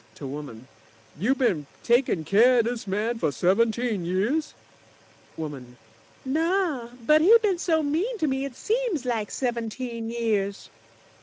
(to woman) You been takin' keer of dis man for seventeen years? WOMAN Naw, but he been so mean to me, it seems lak seventeen years.